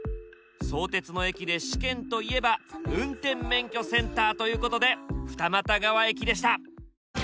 相鉄の駅で試験といえば運転免許センターということで二俣川駅でした。